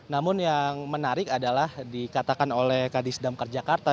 namun yang menarik adalah dikatakan oleh kadis damkar jakarta